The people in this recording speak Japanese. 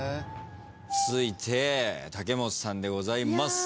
続いて武元さんでございます。